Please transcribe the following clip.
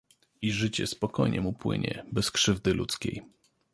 I życie spokojnie mu płynie bez krzywdy ludzkiej.